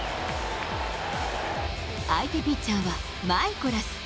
相手ピッチャーはマイコラス。